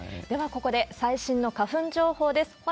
では、ここで最新の花粉情報です。